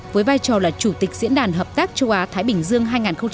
với vai trò là chủ tịch diễn đàn hợp tác châu á thái bình dương